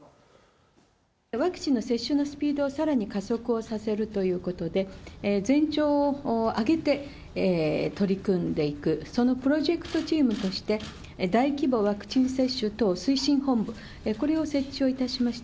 ワクチンの接種のスピードをさらに加速をさせるということで、全庁を挙げて取り組んでいく、そのプロジェクトチームとして、大規模ワクチン接種等推進本部、これを設置をいたしました。